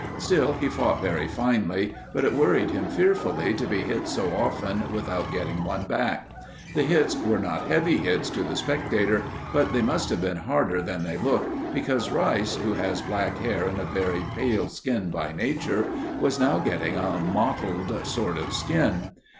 Still he fought very finely, but it worried him fearfully to be hit so often without getting one back. The hits were not heavy hits to the spectator, but they must have been harder than they looked, because Rice, who has black hair and a very pale skin by nature, was now getting a mottled sort of skin.